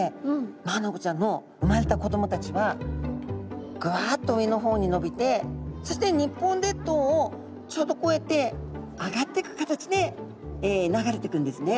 マアナゴちゃんの産まれた子どもたちはぐわっと上の方に伸びてそして日本列島をちょうどこうやって上がってく形で流れてくんですね。